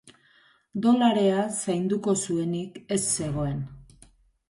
Dolarea zainduko zuenik ez zegoen.